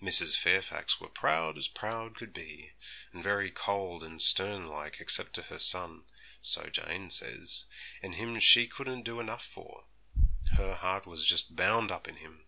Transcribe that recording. Mrs. Fairfax were proud as proud could be, and very cold and stern like except to her son, so Jane says, and him she couldn't do enough for; her heart was just bound up in him!